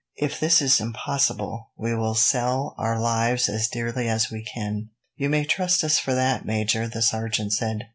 If this is impossible, we will sell our lives as dearly as we can." "You may trust us for that, Major," the sergeant said.